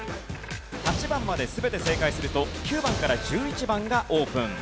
８番まで全て正解すると９番から１１番がオープン。